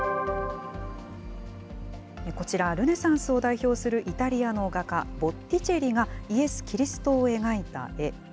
こちら、ルネサンスを代表するイタリアの画家、ボッティチェリがイエス・キリストを描いた絵。